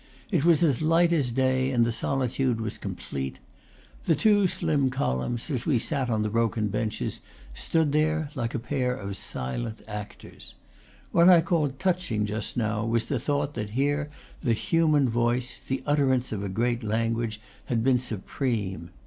It was as light as day, and the solitude was complete. The two slim columns, as we sat on the broken benches, stood there like a pair of silent actors. What I called touching, just now, was the thought that here the human voice, the utterance of a great language, had been supreme.